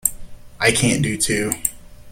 I can't do two.